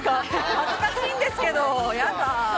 恥ずかしいんですけど。